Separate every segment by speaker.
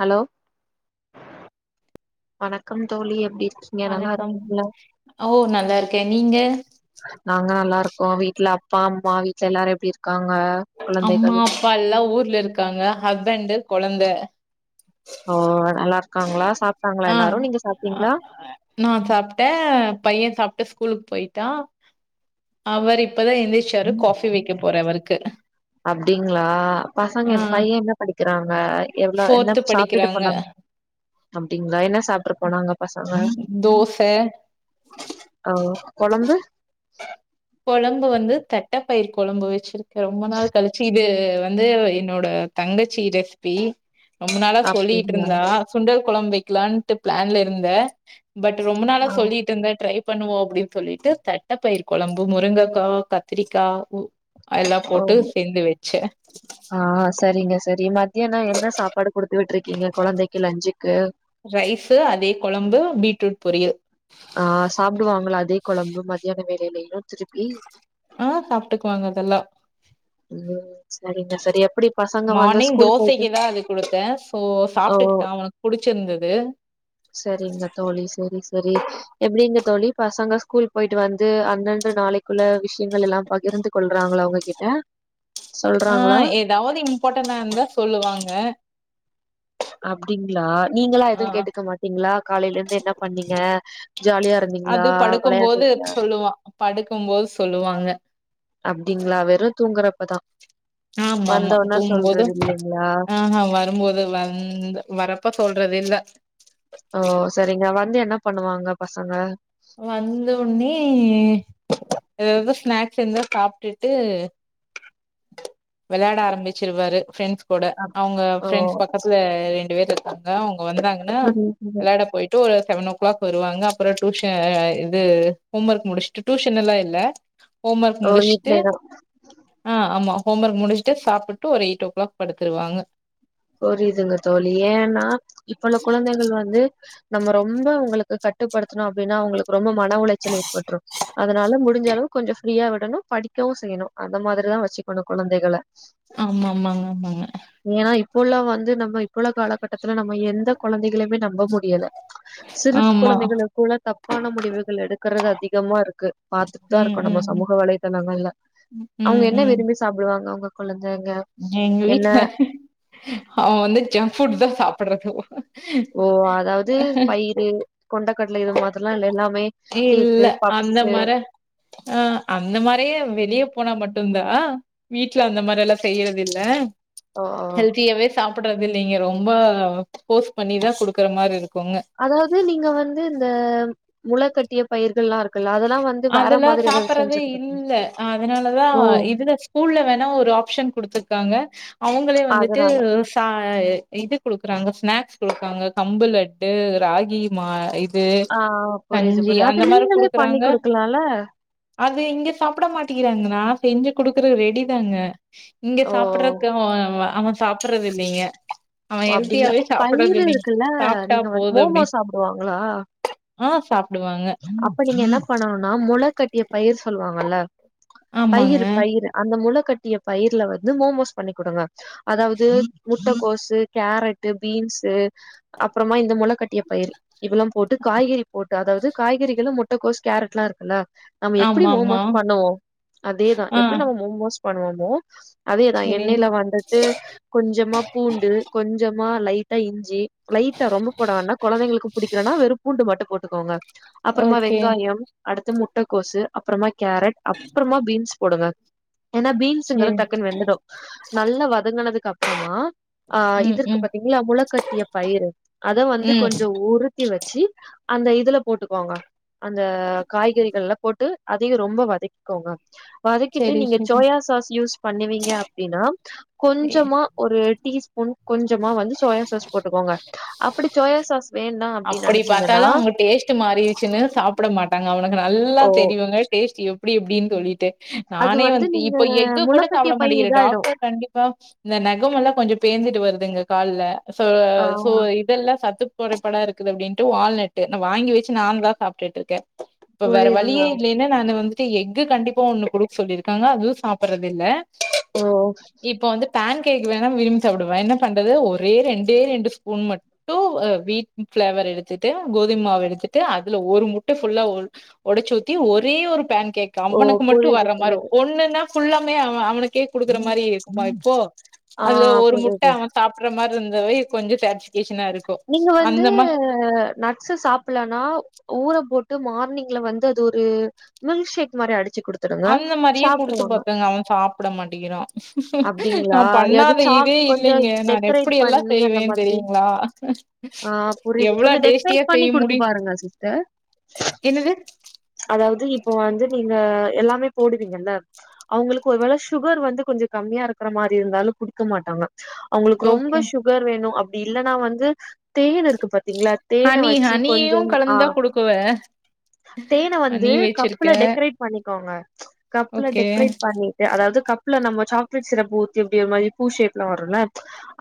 Speaker 1: Hello வணக்கம் தோழி எப்டி இரு
Speaker 2: வணக்கம் ஓ நல்லாருக்கே நீங்க
Speaker 1: நாங்க நல்லா இருக்கோ வீட்ல அப்பா அம்மா வீட்ல எல்லாரு எப்டி இருக்காங்க
Speaker 2: அம்மா
Speaker 1: குழந்தைகள்
Speaker 2: அப்பா எல்லா ஊர்ல இருக்காங்க ஹஸ்பெண்டு கொழந்த
Speaker 1: ஓ நல்லாருக்காங்ளா சாப்
Speaker 2: ஆ நா சாப்ட்டே பைய சாப்ட்டு ஸ்கூலுக் போய்ட்டா அவர் இப்பதா எந்திரிச்சாரு காஃபி வெக்க போற அவருக்கு
Speaker 1: அப்டிங்ளா பசங்க
Speaker 2: ஆ
Speaker 1: பைய என்ன படிக்கிறாங்க எவ்வள என்ன
Speaker 2: ஃபோர்த்து
Speaker 1: சாப்டுட்டு
Speaker 2: படிக்கிறாங்க
Speaker 1: போனாங் அப்டிங்ளா என்ன சாப் ட்டு போனாங்க பசங்க
Speaker 2: தோச
Speaker 1: ஆ கொழம்பு
Speaker 2: கொழம்பு வந்து தட்ட பயிர் கொழம்பு வெச்சிருக்கு ரொம்ப நாள் கழிச்சு இது வந் து என்னோட தங்கச்சி ரெஸ்பி ரொம்ப நாளா சொல்லிட்டு
Speaker 1: அப்டிங்களா
Speaker 2: இருந்தா சுண்டல் கொழம்பு வெக் லான்ட்டு பிளான்ல இருந்தே பட் ரொம்ப நாளா
Speaker 1: ஆ
Speaker 2: சொல்லிட்டு இருந்த ட்ரை பண்ணுவோ அப்டின் சொல்லிட்டு தட்டைப்பயிர் கொழம்பு முருங்கைக்கா கத்திரிக்கா அதெலா
Speaker 1: ஓ
Speaker 2: போட்டு செஞ்சு வெச்சே
Speaker 1: ஆ சரிங்க சரி மத்தியான என்ன சாப்பாடு குடுத்து விட்ருக்கிங்க கொழந்தைக்கு லஞ்சுக்கு
Speaker 2: ரைஸு அதே கொழம்பு பீட்ரூட் பொரியல்
Speaker 1: ஆ சாப்டுவாங்களா அதே கொழம்பு மத்தியான வேலையிலு திருப்பி
Speaker 2: ஆ சாப்ட்டுக்குவாங்க அதெல்லா
Speaker 1: [unintelligible] சரிங்க சரி எப்
Speaker 2: மார்னிங் தோசைக்கு தா அது குடுத்தே சோ
Speaker 1: ஓ
Speaker 2: சாப்ட்டுக்கிட்டா அவனுக் புடிச்சுருந்தது
Speaker 1: சரிங்க தோழி சரி சரி எப்டிங்க தோழி பசங்க ஸ்கூல் போயிட்டு வந்து அந்தந்த நாளைக்குள்ள விஷயங்களெல்லா பகிர்ந்து பண்றாங்ளா உங்ககிட்ட
Speaker 2: ஆ
Speaker 1: சொல்றாங்களா
Speaker 2: ஏதாவது இம்பார்ட்டனா இருந்தா சொல்லுவாங்க
Speaker 1: அப்டிங்ளா நீங்களா
Speaker 2: ஆ
Speaker 1: எதுவு கேட்டுக்க மாட்டிங்ளா காலையில இருந்து என்ன பண்ணிங்க ஜாலியா இருந்திங்ளா வெளையாடு
Speaker 2: இல்ல சொல்லுவா படுக்கும் போது சொல்லுவாங்க
Speaker 1: அப்டிங்ளா வெறு தூங்கறப்பதா
Speaker 2: ஆமாமா தூங்கும் போது
Speaker 1: இல்லைங்களா
Speaker 2: ஆ ஹா வரும்போது வ ம் வரப்ப சொல்றதே இல்ல
Speaker 1: ஓ சரிங்க வந்து என்ன பண்ணுவாங்க பசங்க
Speaker 2: வந்தொன்னே எதாவது ஸ்நாக்ஸ் இருந்தா சாப்ட்டுட்டு வெளயாட ஆரம்பிச்சிருவாரு ஃப்ரெண்ட்ஸ் கூட
Speaker 1: அப்
Speaker 2: அவங்க
Speaker 1: ஓ
Speaker 2: ஃபிரெண்ட்ஸ் பக்கத்துல ரெண்டு பேர் இருக்காங்க அவங்க வந்தாங்கனா
Speaker 1: சரி, சரி.
Speaker 2: வெளாட போயிட் டு ஒரு செவன் ஓ கிளாக் வருவாங்க அப்பற டூசன் ஆ இது ஹோம் ஒர்க் முடிஷ்ட்டு டூஷன் எல்லா இல்ல ஹோம் ஒர்க்
Speaker 1: ஓ
Speaker 2: முடிஷ்ட்டு
Speaker 1: வீட்லயேதா
Speaker 2: ஆ ஆமா ஹோம் ஒர்க் முடிஷ்ட்டு சாப்புட்டு ஒரு எயிட் ஓ கிளாக் படுத்துருவாங்க
Speaker 1: புரியுதுங்க தோழி ஏன்னா இப்ப உள்ள குழந்தைகள் வந்து நம்ப ரொம்ப உங்களுக்கு கட்டுப்படுத்துணோ அப்டின்னா அவுங்களுக் ரொம்ப மன உளைச்சல் ஏற்பட்ரு அதனால முடிஞ்சளவு கொஞ்ச ஃப்ரீயா விடணு படிக்கவு செய்யணு அந்த மாரிதா வெச்சுக்கணு குழந்தைகள
Speaker 2: ஆமாமாங்க ஆமாங்க
Speaker 1: ஏனா இப்ப உள்ள வந்து நம்ப இப்ப உள்ள காலகட்டத்துல நம்ம எந்த கொழந்தைகளைமே நம்ப முடியல சிறுத்
Speaker 2: ஆமா
Speaker 1: குழந்தைகளுக் கூட தப்பான முடிவுகள் எடுக்கறது அதிகமா இருக்கு பாத்துட்டுதா
Speaker 2: ம்
Speaker 1: இருக்கோ நம்ம
Speaker 2: ம்
Speaker 1: சமூக வலைதளங்கள்ல அவுங்க
Speaker 2: ம்
Speaker 1: என்ன
Speaker 2: ம்
Speaker 1: விரும்பி சாப்டுவாங்க உங்க கொழந்தேங்க
Speaker 2: எங்க வீட்ல அவ வந்து ஜங்க் ஃபுட்தா சாப்புட்றதுவு
Speaker 1: ஓ அதாவுது பயிறு கொண்டக்கட்ல இது மாதிர்லா இல்ல எல்லாமே
Speaker 2: இல்ல
Speaker 1: கேக்கு
Speaker 2: அந்த
Speaker 1: பப்ஸு
Speaker 2: மார ஆ அந்த மாரியே வெளிய போனா மட்டுந்தா வீட்ல அந்த மாரியெல்லா செய்யிறதில்ல
Speaker 1: ஓ ஓ
Speaker 2: ஹெல்தியாவே சாப்புட்றதில்லைங்க ரொம்ப ஃபோஸ் பண்ணிதா குடுக்குற மாரி இருக்குங்க
Speaker 1: அதாவ்து நீங்க வந்து இந்த முள கட்டிய பயிர்கள்லா இருக்குல்ல அதெல்லா வந்
Speaker 2: அதுல சாப்புறது இல்ல அ அதுனாலதா
Speaker 1: ஓ
Speaker 2: இதுல ஸ்கூல்ல வேணா ஒரு ஆப்ஷன் குடுத்துரு க்காங்க அவுங்களே வந்துட்டு
Speaker 1: அதனால
Speaker 2: தா எ இது குடுக்குறாங்க ஸ்நாக்ஸ் குடுக்குறாங்க கம்பு லட்டு ராகி மா இ து
Speaker 1: ஆ புரியுது
Speaker 2: கஞ்சி
Speaker 1: புரியுது அது
Speaker 2: அந்த மாரி குடு
Speaker 1: நீங்களே பண்ணி குடுக்கலால
Speaker 2: அது இங்க சாப்புட மாட்டிக்கிறாங்க நா செஞ்சு குடுக்குற ரெடிதாங்க இங்க
Speaker 1: ஓ
Speaker 2: சாப்புட்றக்கு அவெ சாப்புறதில்லைங்க அவெ
Speaker 1: அப்டிங்களா
Speaker 2: எல்த்தியாவே
Speaker 1: பயிறு
Speaker 2: சாப்புர்றதில்லைங்
Speaker 1: இருக்குல்ல
Speaker 2: சாப்ட்டா
Speaker 1: நீங்க வந்து
Speaker 2: போது
Speaker 1: மோமோ
Speaker 2: அப்டின்
Speaker 1: சாப்டுவாங்களா
Speaker 2: ஆ சாப்டுவாங்க
Speaker 1: அப்ப நீங்க என்ன பண்ணனுன்னா முள கட்டிய பயிர் சொல்லுவாங்கல்ல
Speaker 2: ஆமாங்க
Speaker 1: பயிறு பயிறு அந்த முள கட்டிய பயிற்ல வந்து மோமோஸ் பண்ணி குடுங்க அதாவுது மு முட்டக்கோஸு கேரட்டு பீன்ஸு அப்றமா இந்த மொள கட்டிய பயிறு இதுல்லா போட்டு காய்கறி போட்டு அதாவுது காய்கறிகளு முட்டகோஸ் கேரட்லா இருக்குல்ல நம்ம எப்பிடி
Speaker 2: ஆமா ஆமா
Speaker 1: மோமோஸ் பண்ணுவோ அதேதா
Speaker 2: ஆ
Speaker 1: எப்டி நம்ம மோமோஸ் பண்ணுவொமோ அதேதா
Speaker 2: செரி
Speaker 1: எண்ணெய்ல வந்துட்டு கொஞ்சமா பூண்டு கொஞ்சமா லைட்டா இஞ் சி லைட்டா ரொம்ப போட வேண்டா கொழந்தைங்களுக்கு புடிக்கலன்னா வெறு பூண்டு மட்டு போட்டுக்கோங்க அப்றமா
Speaker 2: ஓகே
Speaker 1: வெங்காயம் அடுத்து முட்டக்கோசு அப்றமா கேரட் அப்றமா பீன்ஸ் போடுங்க ஏனா பீன்ஸுங்குற
Speaker 2: செரி
Speaker 1: டக்குன் வெந்துடு நல்லா வதங்குனதுக்கப்றமா ஆ
Speaker 2: ம்
Speaker 1: இதுருக்கு
Speaker 2: ம்
Speaker 1: பாத்தீங்ளா முளகட்டிய பயிறு அத வந்து
Speaker 2: ம்
Speaker 1: கொஞ்சொ உரு த்தி வச்சி அந்த இதுல போட்டுக்கோங்க அந்த காய்கறிகள்ல போட்டு அதயு ரொம்ப வதக்கிக்கோங்க வதக்கிட்டு
Speaker 2: செரி
Speaker 1: நீங்க
Speaker 2: செரி
Speaker 1: சோயா சாஸ் யூஸ் பண்ணுவீங்க அப்டின்னா கொஞ்சமா ஒரு டீ ஸ்பூன் கொஞ்சமா வந்து சோயா சாஸ் போட்டுக்கோங்க அப்பிடி சோயா சாஸ் வேண்டா அப்டின் நெனச்சீங்கன்னா
Speaker 2: ட்டு மாறிடுச்சுன்னு சாப்புட மாட்டாங்க அவனுக்கு நல்லா
Speaker 1: ஓ
Speaker 2: தெரியுங்க டேஸ்ட்டு எப்டி எப்டின் சொல்லிட்டு
Speaker 1: அது
Speaker 2: நானே வந்து
Speaker 1: நீங்க
Speaker 2: இப்ப எக்கு கூட
Speaker 1: முளக்கட்டிய
Speaker 2: சாப்புட
Speaker 1: பயிறு
Speaker 2: மாட்டிங்குற
Speaker 1: இதாயிடு
Speaker 2: டாக்டர் கண்டி ப்பா இந்த நகமெல்லா கொஞ்ச பேந்துட்டு வருதுங்க கால்ல சோ
Speaker 1: ஆ
Speaker 2: சோ இதெல்லா சத்து கொறைபாடா இருக்குது அப்டின்ட்டு வால்நட்டு ந வாங்கி வச்சு நாந்தா சாப்டுட்ருக்கே இப்ப வேற
Speaker 1: புரியுதுங்க
Speaker 2: வழியே இல்லைனா நானு வந்து ட்டு எக்கு கண்டிப்பா ஒன்னு குடுக் சொல்லிருக்காங்க அதுவு சாப்புறதில்ல
Speaker 1: ஓ
Speaker 2: இப்ப வந்து பேன் கேக் வேணா விரும்பி சாப்டுவே என்ன பண்றது ஒரே ரெண்டே ரெண்டு ஸ்பூன் மட்டு அ வீட் ஃபிளேவர் எடுத்துட்டு கோதும்மாவு எடுத்துட்டு அதுல ஒரு முட்ட ஃபுல்லா ஒ ஒடச்சு ஊத்தி ஒரே ஒரு பேன் கேக்கு
Speaker 1: ஓ
Speaker 2: அவனுக்கு மட்டு
Speaker 1: புரியுது,
Speaker 2: வர்ற மாரி
Speaker 1: புரியுது.
Speaker 2: ஒன்னுன்னா ஃபுல்லாமே அவ அவனுக்கே குடுக்குற மாரி இருக்குமா இப்போ
Speaker 1: ஆ
Speaker 2: அதுல ஒரு முட்ட
Speaker 1: புரியுது.
Speaker 2: அவ சாப்பிட்ற மாரி இருந்தாவே கொஞ்ச சாட்டிஸ்வ்கேஷனா இருக்கு அந்த மார்
Speaker 1: து நட்ஸு சாப்பலன்னா ஊர போட்டு மார்னிங்ல வந்து அது ஒரு மில்க்ஷேக் மாரி அடிச்சி குடுத்
Speaker 2: அந்த மாரியே குடுத்து பாத்தேங்க அவ சாப்ட மாட்டேங்கிறா நா
Speaker 1: அப்டிங்களா?
Speaker 2: பண்ணா
Speaker 1: எது
Speaker 2: த
Speaker 1: சாக்
Speaker 2: இதே
Speaker 1: கொஞ்சம்
Speaker 2: இல்லைங்க நானு
Speaker 1: டெக்கரேட்
Speaker 2: எப்டி எல்லா
Speaker 1: பண்ணி அந்த
Speaker 2: செய்வே
Speaker 1: மாதிரி.
Speaker 2: தெரியுங்ளா
Speaker 1: ஆ புரியுது.
Speaker 2: எவ்ளோ
Speaker 1: கொஞ்சம் டெக்கரேட்
Speaker 2: டேஸ்ட்டியா
Speaker 1: பண்ணி
Speaker 2: செய்ய
Speaker 1: குடுத்து
Speaker 2: முடியு
Speaker 1: பாருங்க சிஸ்டர்.
Speaker 2: என்னது
Speaker 1: அதாது இப்ப வந்து நீங்க எல்லாமே போடுவீங்கல்ல அவுங்ளுக்கு ஒருவேல சுகர் வந்து கொஞ்ச கம்மியா இருக்கிற மாரி இருந்தாலு குடிக்க மாட்டாங்க அவுங்ளுக்கு ரொம்ப
Speaker 2: ஓகே
Speaker 1: சுகர் வேணு அப்டி இல்லன்னா வந்து தேன் இருக்கு பாத்தீங்களா தேன
Speaker 2: ஹனி
Speaker 1: வச்சி
Speaker 2: ஹனியு
Speaker 1: கொஞ்சம் ஆ
Speaker 2: கலந்துதா குடுக்குவ
Speaker 1: தேன வந்து
Speaker 2: ஹனி வச்சிருக்க
Speaker 1: கப்புல டெக்கரேட் பண்ணிக்கோங்க கப்புல
Speaker 2: ஓகே
Speaker 1: டெக்கரேட் பண்ணி தே அதாது கப்புல நம்ம சாக்லேட் ஷிறப்பு ஊத்தி அப்டியே ஒரு மாரி பூ ஷேப்லா வருல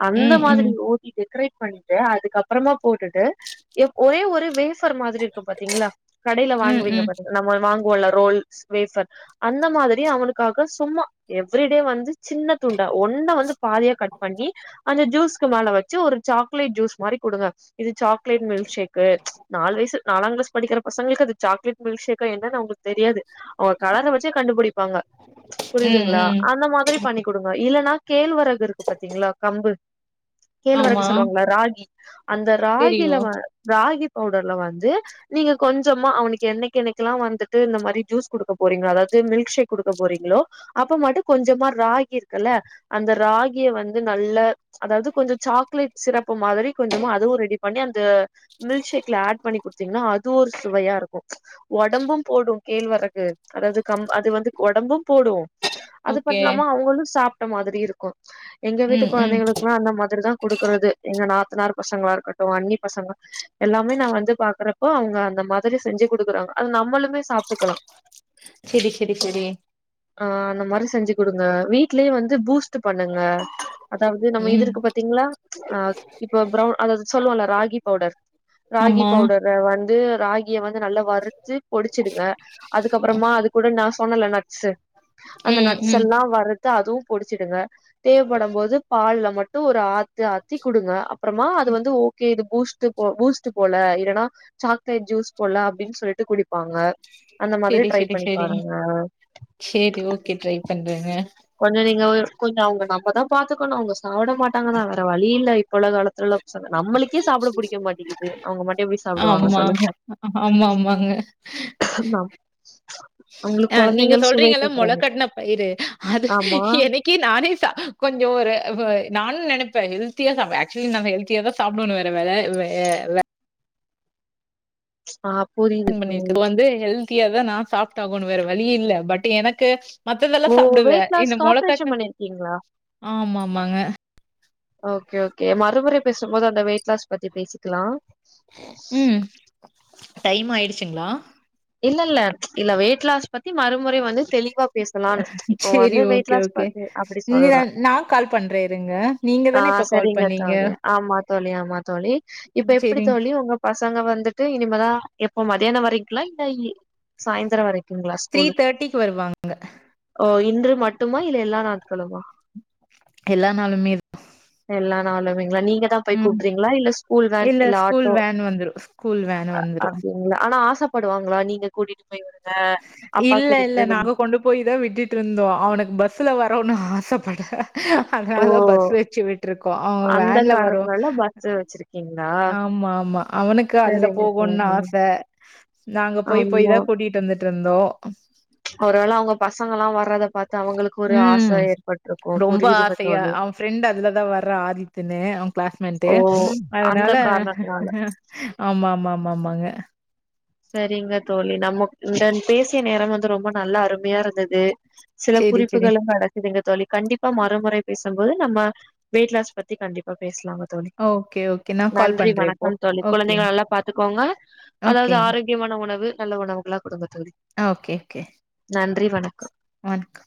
Speaker 1: அந்த
Speaker 2: ம் ம்
Speaker 1: மாதிரி ஊத்தி டெக்கரேட் பண்ணிட்டு அதுக்கப்றமா போட்டுட்டு எ ஒரே ஒரு வேஸ்ட் ஃபர் மாதிரி இருக்கு பாத்தீங்களா கடையில
Speaker 2: ம்
Speaker 1: வாங்குவீங்க
Speaker 2: ம்
Speaker 1: பாத்தீங் நம்ம வாங்குவோல ரோல்ஸ் வேஃபர் அந்த மாதிரி அவனுக்காக சும்மா எவ்ரிடே வந்து சின்ன துண்டா ஒன்ன வந்து பாதியா கட் பண்ணி அந்த ஜூஸ்க்கு மேல வச்சி ஒரு சாக் லேட் ஜூஸ் மாரி குடுங்க இது சாக்லேட் மில்க் ஷேக்கு நாலு வயசு நாலா கிளாஸ் படிக்கிற பசங்களுக்கு அது சாக்லட் மில்க்ஷேக்கா என்னன்னு அவுங்ளுக் தெரியாது அவங்க கலர வச்சே கண்டுபிடி பாங்க
Speaker 2: ம்
Speaker 1: புரியுதுங்களா
Speaker 2: ம்
Speaker 1: அந்த மாதிரி பண்ணி குடுங்க இல்லன்னா கேழ்வர ட்ட இது இருக்கு பாத்தீங்களா கம்பு கேழ்வரகு
Speaker 2: ஆமா
Speaker 1: சொல்லுவாங்களா ராகி அந்த
Speaker 2: தெரியு
Speaker 1: ராகில வ ராகி பவுடர்ல வந்து நீங்க கொஞ்சமா அவனுக்கு என்னைக்கு என்னைக்கெல்லா வந்துட்டு இந்த மாரி ஜூஸ் குடுக்க போறீங்களோ அதாது மில்க் ஷேக் குடுக்க போறீங்ளோ அப்ப மட்டு கொஞ்சமா ராகி இருக்கில்ல அந்த ராகிய வந்து நல்ல அதாது கொஞ்ச சாக்லேட் ஷிரப்பு மாதிரி கொஞ்சமா அதுவு ரெடி பண்ணி அந்த மில்க் ஷேக்ல ஆட் பண்ணி குடுத்தீங்கன்னா அது ஒரு சுவையா இருக்கு ஒடம்பும் போடு கேழ்வரகு அதாது கம் அது வந்து ஒடம்பும் போடு அது
Speaker 2: ஓகே
Speaker 1: பண்லாம அவுங்களு சாப்ட்ட மாதிரி இருக்கும் எங்க வீட்டு
Speaker 2: ம் ம்
Speaker 1: கொழந்தைங்களுக்குலா அந்த மாதிரிதா க்கறது எங்க நாத்தனாரு பசங்களா இருக்கட்டு எங்க அன்னி பசங்களா எல்லாமே நா வந்து பாக்குறப்போ அவங்க அந்த மாதிரி செஞ்சி குடுக்குறாங்க அது நம்மளுமே சாப்ட்டுக்கலா
Speaker 2: செரி செரி செரி
Speaker 1: ஆ அந்த மாரி செஞ்சி குடுங்க வீட்லே வந்து பூஸ்ட் த்து பண்ணுங்க அதாவது நம்ம இது
Speaker 2: ம்
Speaker 1: இருக்கு பாத்தீங்களா அ இப்ப பிரவுன் அதாது சொல்லுவோல ராகி பவுடர் ராகி
Speaker 2: ஆமா
Speaker 1: பவுடர் வந்து ராகி ஏ வந்து நல்லா வறுத்து பொடிச்சிடுங்க அதுக்கப்றமா அது கூட நா சொன்னல நட்ஸு அந்த
Speaker 2: ம்
Speaker 1: நட்ஸ்
Speaker 2: ம்
Speaker 1: எல்லா வருத் த அதுவு பொடிச்சிடுங்க தேவப்படும் போது பால்ல மட்டு ஒரு ஆத்து ஆத்தி குடுங்க அப்றமா அது வந்து ஓகே இது பூஸ்ட் ட்டு போ பூஸ்ட்டு போல இல்லன்னா சாக்லேட் ஜூஸ் போல அப்டின் சொல்ட்டு குடிப்பாங்க அந்த மாதிரி ட்ரை பண்ணி பாருங்க
Speaker 2: சேரி ஓகே ட்ரை பண்றேங்க
Speaker 1: கொஞ்ச நீங்க கொஞ்சோ அவங்க நம்மதா பாத்துக்குணு அவங்க சாப்ட மாட்டாங்கதா வேற வழி இல்ல இப்ப உள்ள காலத்துல சொல்ங்க நம்மளுக்கே சாப்ட புடிக்க மாட்டேங்கிது அவங்க மட்டு எப்டி சாப்டுவாங்க சொல்லுங்க
Speaker 2: ம்மா ஆமாங்க
Speaker 1: ஆஹமா
Speaker 2: அ நீங்க சொல்றீங்கல்ல மொளக்கட்டன பயிறு அது
Speaker 1: ஆமா
Speaker 2: எனக் கி நானே சா கொஞ்ச ஒரு வ நானு நைப்பே ஹெல்த்தியா சாப்ப ஆக்சுவலி ஹெல்த் தியாதா சாப்புடும்னு வேற வேல வே வ
Speaker 1: ஆ புரி
Speaker 2: பண்ணிருக்கு வந்து ஹெல்தியா தா நா சாஃப்டு ஆகணும்னு வேற வழி இல்ல பட் எனக்கு மத்ததெல்லா
Speaker 1: ஓ
Speaker 2: சாப்டுவ
Speaker 1: வெயிட்
Speaker 2: இந்த
Speaker 1: லாஸ்க்கு ஆப்ரேஷன்
Speaker 2: மொளக்கட்ன
Speaker 1: பண்ணிருக்கீங்களா
Speaker 2: ஆமா ஆமாங்க
Speaker 1: ஓகே ஓகே மறுமுற பேசும் போது அந்த வெயிட் லாஸ் பத்தி பேசிக்கிலா
Speaker 2: ம் டைம் ஆயிடுச்சிங்ளா
Speaker 1: இல்ல இல்ல இல்ல வெயிட் லாஸ் பத்தி மறுமுறை வந்து தெளிவா பேசலான்னு இப்போ
Speaker 2: சரி
Speaker 1: வந்து வெயிட்
Speaker 2: ஓகே,
Speaker 1: லாஸ்
Speaker 2: ஓகே.
Speaker 1: பாட்டு அப்டி சொல்ற
Speaker 2: ந நான் கால் பண்றேன் இருங்க. நீங்க
Speaker 1: ஆ
Speaker 2: தானே இப்ப கால்
Speaker 1: சரிங்க
Speaker 2: பண்ணீங்க.
Speaker 1: தோழி ஆமா தோழி ஆமா தோழி இப்ப எப்டி
Speaker 2: சரி.
Speaker 1: தோழி உங்கப் பசங்க வந்துட்டு இனிமே தா எப்போ வரைங்க்ளா இல்ல இது சாயந்தர வரை க்கிங்ளா ஸ்கூல்லு
Speaker 2: வருவாங்க.
Speaker 1: ஓ இன்று மட்டுமா எல்லா நாட்களுமா
Speaker 2: எல்லா நாளுமே
Speaker 1: எல்லா நாளுமேங்ளா நீங்க தா போய்
Speaker 2: ம்.
Speaker 1: கூப்டிறீங்ளா இல்ல ஸ்கூல் வேன் இல்ல
Speaker 2: ஸ்கூல்
Speaker 1: ஆட்டோ
Speaker 2: வேன் வந்துரும். ஸ்கூல் வேன்
Speaker 1: அ
Speaker 2: வந்துரும்.
Speaker 1: அப்டிங்ளா ஆனா ஆசப்ப டுவாங்களா நீங்க கூட்டிட்டு அப்பா
Speaker 2: இல்ல
Speaker 1: கூட்டிட்டு
Speaker 2: இல்ல
Speaker 1: போய் விட்
Speaker 2: நாங்க கொண்டு போய் தா விட்டுட் ருந்தோ ஆ அவனுக்கு பஸ்ல வரன்னு ஆசைப்பட
Speaker 1: ஓ
Speaker 2: அதனாலா பஸ் வச்சு விட்டு இருக்கோ அவங்க
Speaker 1: அந்த
Speaker 2: வேன்ல வரு
Speaker 1: காரணத்னால பஸ் வச்சிருக்கீங்களா
Speaker 2: ஆமா ஆமா அவனுக்கு அதுல
Speaker 1: சரிங்க
Speaker 2: போகுன்னு
Speaker 1: தோழி
Speaker 2: ஆச நாங்க போய் போய்
Speaker 1: ஆமா
Speaker 2: தா கூட்டிட்டு வந்துட்டு இருந்தோ
Speaker 1: [inaudible] ஒருவேள அவங்க பசங்க எல்லா வர்றத பாத்து அவங்களுக்கு ஒரு ஆச
Speaker 2: ம்.
Speaker 1: ஏற்பட்டிருக்கு
Speaker 2: ரொம்ப
Speaker 1: புரியுதுங்க
Speaker 2: ஆசையா.
Speaker 1: தோழி
Speaker 2: அவன் ஃப்ரெண்ட் அதுலதா வரா ஆதித்தன்னு அவ கிளாஸ்மேட்டு
Speaker 1: ஓ அந்த
Speaker 2: அதனால
Speaker 1: காரணத்தினால
Speaker 2: ஆமா ஆமா ஆமா ஆமாங்க
Speaker 1: சரிங்க தோழி நம்ம இந்த பேசிய நேரம் வந்து ரொம்ப நல்லா அருமையா இருந்தது சில
Speaker 2: சரி, சரி.
Speaker 1: குறிப்புகளு நடக்குதுங்க தோழி கண்டிப்பா மறுமுறை பேசும்போது நம்ம வெயிட் லாஸ் பத்தி கண்டிப் பேசலாங்க தோழி
Speaker 2: ஓகே, ஓகே. நான் கால்
Speaker 1: நன்றி
Speaker 2: பண்றேன் இப்போ.
Speaker 1: வணக்கம் தோழி
Speaker 2: ஓகேங்க,
Speaker 1: குழந்தைகள் நல்லா பாத்துக்கோங்க அதாவது
Speaker 2: ஓகேங்க.
Speaker 1: ஆரோக் ஆரோக்கியமான உணவு நல்ல உணவுகள்லா குடுங்க தோழி
Speaker 2: ஆ ஓகே கே
Speaker 1: நன்றி வணக்கோ
Speaker 2: வண்க்கு